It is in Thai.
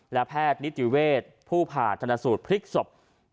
และแพทย์นิติเวชผู้ผ่าชนสูตรพลิกศพ